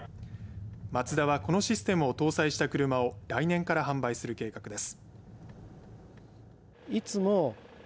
マツダはこのシステムを搭載した車を来年から販売する計画です。